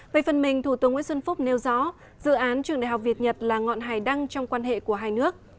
về phần mình thủ tướng nguyễn xuân phúc nêu rõ dự án trường đại học việt nhật là ngọn hải đăng trong quan hệ của hai nước